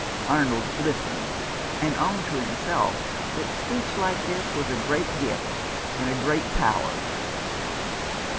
Arnold listened, and owned to himself that speech like this was a great gift and a great power.